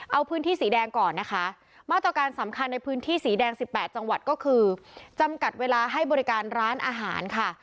เอาพื้นที่สีแดงก่อนนะคะมาตรการสำคัญในพื้นที่สีแดง๑๘จังหวัดก็คือจำกัดเวลาให้บริการร้านอาหารค่ะ